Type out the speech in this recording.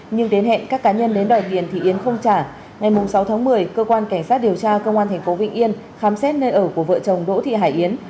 nhưng đến hẹn các cá nhân đến đòi tiền thì yến không trả ngày sáu tháng một mươi cơ quan cảnh sát điều tra công an tp vĩnh yên khám xét nơi ở của vợ chồng đỗ thị hải yến